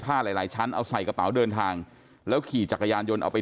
หลายหลายชั้นเอาใส่กระเป๋าเดินทางแล้วขี่จักรยานยนต์เอาไป